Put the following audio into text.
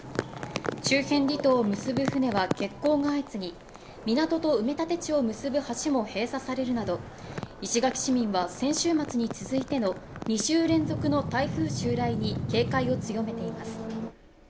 周辺離島を結ぶ船は欠航が相次ぎ港と埋め立て地を結ぶ橋も閉鎖されるなど、石垣市民は先週末に続いての２週連続の台風襲来に警戒を強めています。